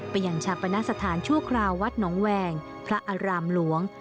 ไปอ่านชัดบนศาสตร์ชั่วคราววัดหนองแหวงพระอารามหลวง